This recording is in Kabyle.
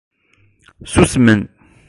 Susmen.